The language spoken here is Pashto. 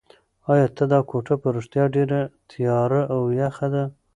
ایا دا کوټه په رښتیا ډېره تیاره او یخه ده؟